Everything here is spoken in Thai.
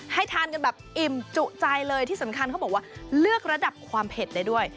ทานกันแบบอิ่มจุใจเลยที่สำคัญเขาบอกว่าเลือกระดับความเผ็ดได้ด้วย